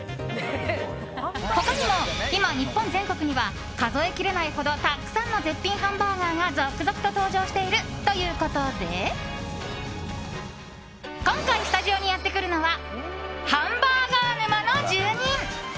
他にも今、日本全国には数えきれないほどたくさんの絶品ハンバーガーが続々と登場しているということで今回スタジオにやってくるのはハンバーガー沼の住人。